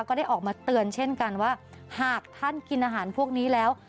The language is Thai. ก็ได้ออกมาเตือนเช่นกันว่าหากท่านกินอาหารพวกนี้แล้ว